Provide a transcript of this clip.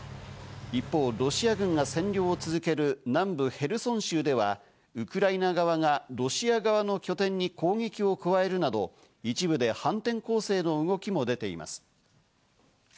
一方、ロシア軍が占領を続ける南部ヘルソン州では、ウクライナ側がロシア側の拠点に攻撃を加えるなど、一部で反転攻勢の動きも出ています。